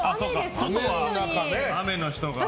外は雨の人が。